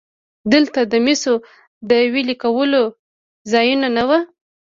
دلته د مسو د ویلې کولو ځایونه وو